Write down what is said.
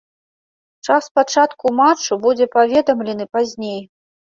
Час пачатку матчу будзе паведамлены пазней.